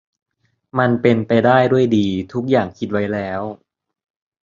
มันเป็นไปได้ด้วยดี ทุกอย่างคิดไว้แล้ว